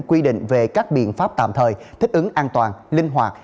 quy định về các biện pháp tạm thời thích ứng an toàn linh hoạt